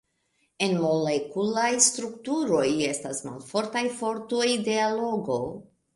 En molekulaj strukturoj estas malfortaj fortoj de allogo.